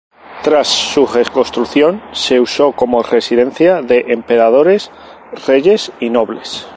Tras su reconstrucción, se usó como residencia de emperadores, reyes y nobles.